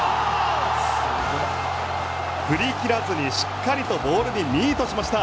振り切らずにしっかりとボールにミートしました。